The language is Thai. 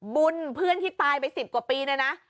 บุญเพื่อนที่ตายไปสิบกว่าปีนี่นะ